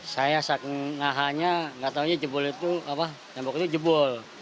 saya saat menahannya gak taunya tembok itu jebol